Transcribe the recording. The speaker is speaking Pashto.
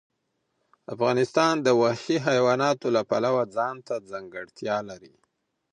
افغانستان د وحشي حیواناتو له پلوه ځانته ځانګړتیا لري.